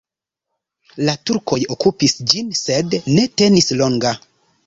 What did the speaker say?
La turkoj okupis ĝin, sed ne tenis longa.